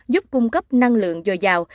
giúp cung cấp năng lượng dồi dào